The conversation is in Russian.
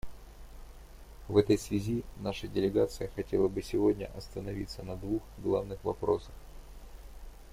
В этой связи наша делегация хотела бы сегодня остановиться на двух главных вопросах.